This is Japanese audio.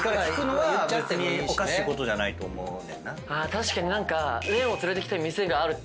確かに何か。